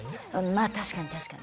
まあ確かに確かに。